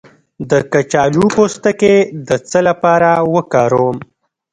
د کچالو پوستکی د څه لپاره وکاروم؟